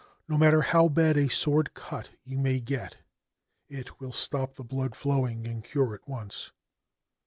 No matter how bad a sword cut you may get, it will stop the blood flowing and cure at once.